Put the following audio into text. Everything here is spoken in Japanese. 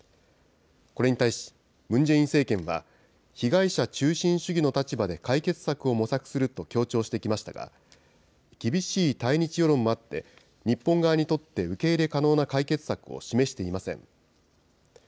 これに対し、ムン・ジェイン政権は、被害者中心主義の立場で解決策を模索すると強調してきましたが、厳しい対日世論もあって日本側にとって受け入れ可能な解決策を示していません。